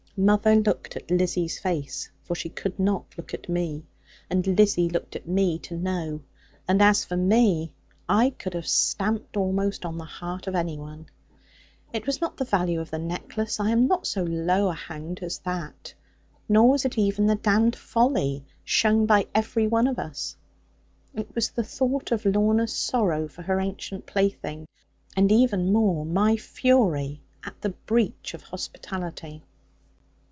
Mother looked at Lizzie's face, for she could not look at me; and Lizzie looked at me, to know: and as for me, I could have stamped almost on the heart of any one. It was not the value of the necklace I am not so low a hound as that nor was it even the damned folly shown by every one of us it was the thought of Lorna's sorrow for her ancient plaything; and even more, my fury at the breach of hospitality.